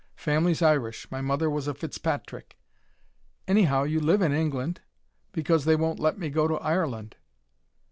Family's Irish my mother was a Fitz patrick." "Anyhow you live in England." "Because they won't let me go to Ireland."